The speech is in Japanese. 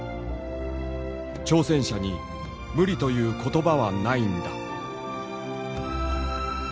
「挑戦者に無理という言葉はないんだ」。